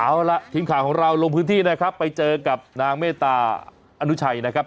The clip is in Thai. เอาล่ะทีมข่าวของเราลงพื้นที่นะครับไปเจอกับนางเมตตาอนุชัยนะครับ